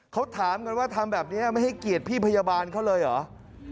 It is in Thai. เขาถามกันว่าทำแบบนี้ไม่ให้เกียรติพี่พยาบาลเขาเลยเหรอ